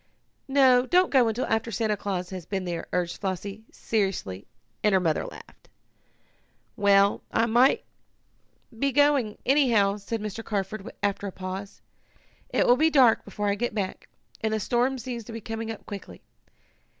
"No, don't go until after Santa Claus has been here," urged Flossie seriously, and her mother laughed. "Well, I must be going, anyhow," said Mr. Carford, after a pause. "It will be dark before I get back, and the storm seems to be coming up quickly.